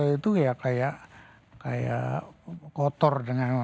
jadi kamar saya itu ya kayak kotor dengan